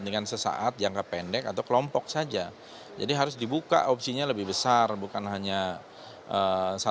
tapi kalau dari pdip kan mengatakan mereka itu tidak ngotot untuk posisi ketua mpr